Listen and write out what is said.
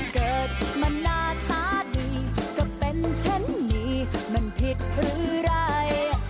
เกิดมันหน้าตาดีก็เป็นฉันดีมันผิดหรือไร